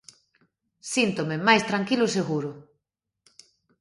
Síntome máis tranquilo e seguro.